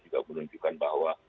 juga menunjukkan bahwa